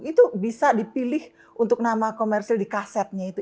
itu bisa dipilih untuk nama komersil di kasetnya itu